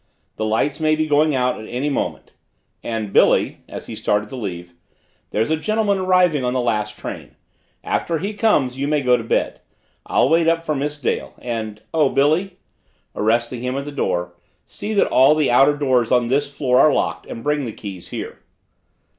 "The lights may be going out any moment and Billy," as he started to leave, "there's a gentleman arriving on the last train. After he comes you may go to bed. I'll wait up for Miss Dale oh, and Billy," arresting him at the door, "see that all the outer doors on this floor are locked and bring the keys here."